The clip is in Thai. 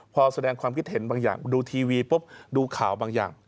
พอแสดงความคิดเห็นบางอย่างดูทีวีปุ๊บดูข่าวบางอย่าง